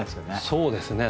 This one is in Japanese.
そうですね。